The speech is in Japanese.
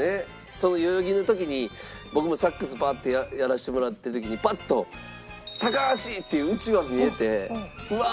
その代々木の時に僕もサックスパーッてやらせてもらってる時にパッと「高橋」っていううちわ見えてうわあ